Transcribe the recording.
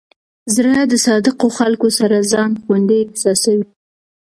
زړه د صادقو خلکو سره ځان خوندي احساسوي.